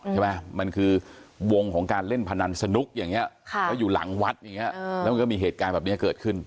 ใช่ไหมมันคือวงของการเล่นพนันสนุกอย่างนี้แล้วอยู่หลังวัดอย่างนี้แล้วมันก็มีเหตุการณ์แบบนี้เกิดขึ้น